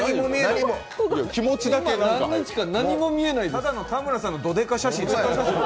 ただの田村さんのどでか写真。